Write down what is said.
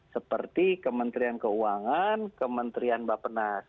seperti kementerian keuangan kementerian bapak penas